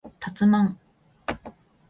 たつまん